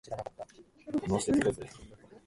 決勝でソロを踊りたい